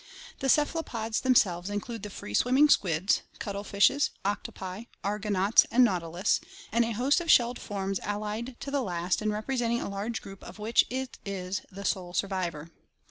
The cephalopods themselves include the free swimming squids, cuttle fishes, octopi, argonauts, and nautilus, and a host of shelled forms allied to the last and representing a large group of which it is the sole survivor.